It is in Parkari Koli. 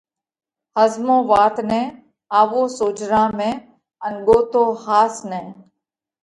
ۿزمو وات نئہ، آوو سوجھرا ۾ ان ڳوتو ۿاس نئہ!